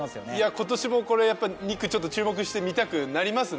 今年もやっぱり２区注目して見たくなりますね。